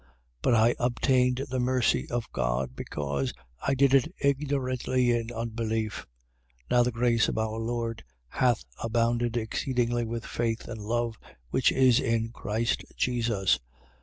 But I obtained the mercy of God, because I did it ignorantly in unbelief. 1:14. Now the grace of our Lord hath abounded exceedingly with faith and love, which is in Christ Jesus.